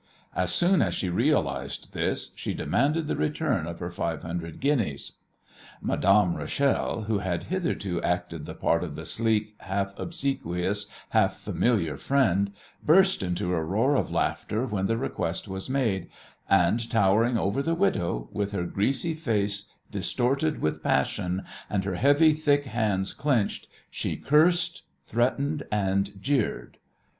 As soon as she realized this she demanded the return of her five hundred guineas. Madame Rachel, who had hitherto acted the part of the sleek, half obsequious, half familiar friend, burst into a roar of laughter when the request was made, and, towering over the widow, with her greasy face distorted with passion, and her heavy thick hands clenched, she cursed, threatened and jeered.